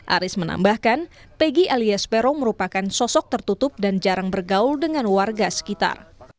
aris menambahkan pegi alias peron merupakan sosok tertutup dan jarang bergaul dengan warga sekitar